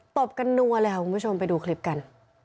ตบกันนัวเลยค่ะคุณผู้ชมไปดูคลิปกัน